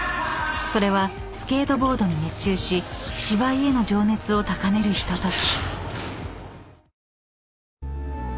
［それはスケートボードに熱中し芝居への情熱を高めるひととき］